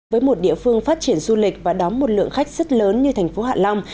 với một địa phương phát triển du lịch và đóng một lượng khách rất lớn như thành phố hạ long